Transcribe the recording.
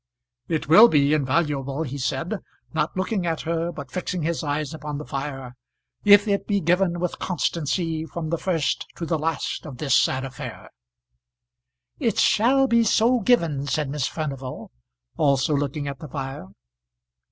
"It will be invaluable," he said, not looking at her, but fixing his eyes upon the fire, "if it be given with constancy from the first to the last of this sad affair." "It shall be so given," said Miss Furnival, also looking at the fire.